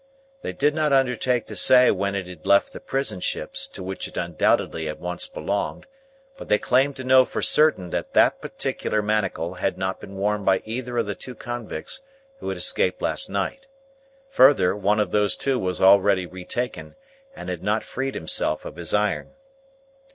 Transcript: They did not undertake to say when it had left the prison ships to which it undoubtedly had once belonged; but they claimed to know for certain that that particular manacle had not been worn by either of the two convicts who had escaped last night. Further, one of those two was already retaken, and had not freed himself of his iron.